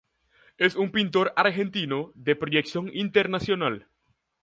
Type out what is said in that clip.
Es un pintor argentino de proyección internacional.